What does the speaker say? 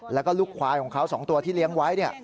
แล้วก็ลูกควายของเขา๒ตัวที่เลี้ยงไว้